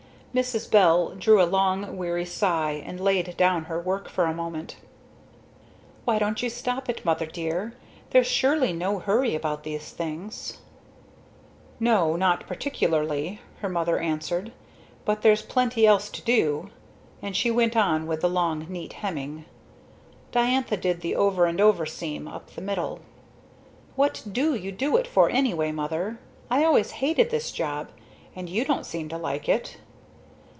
Mrs. Bell drew a long weary sigh, and laid down her work for a moment. "Why don't you stop it Mother dear? There's surely no hurry about these things." "No not particularly," her mother answered, "but there's plenty else to do." And she went on with the long neat hemming. Diantha did the "over and over seam" up the middle. "What do you do it for anyway, Mother I always hated this job and you don't seem to like it."